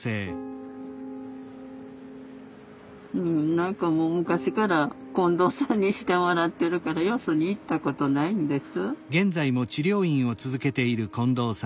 何かもう昔から近藤さんにしてもらってるからよそに行ったことないんです。